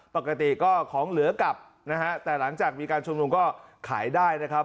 ปกติก็ของเหลือกลับนะฮะแต่หลังจากมีการชุมนุมก็ขายได้นะครับ